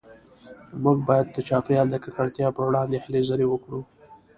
موږ باید د چاپیریال د ککړتیا پروړاندې هلې ځلې وکړو